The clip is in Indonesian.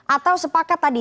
atau sepakat tadi